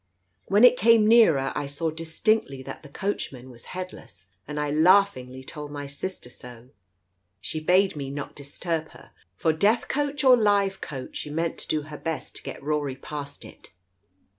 When it came nearer I saw dis tinctly that the coachman was headless, and I laughingly told my sister so. She bade me not disturb her, for death coach or live coach, she meant to do her best to get Rory past it.